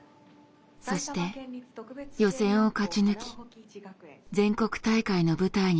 そして予選を勝ち抜き全国大会の舞台に立ちました。